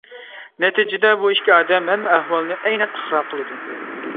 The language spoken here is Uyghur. نەتىجىدە بۇ ئىككى ئادەم ھەممە ئەھۋالنى ئەينەن ئىقرار قىلىدۇ.